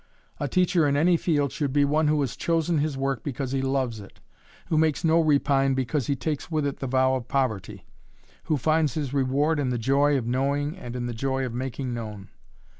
A teacher in any field should be one who has chosen his work because he loves it, who makes no repine because he takes with it the vow of poverty, who finds his reward in the joy of knowing and in the joy of making known.